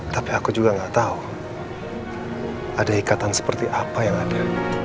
tapi aku juga gak tahu ada ikatan seperti apa yang ada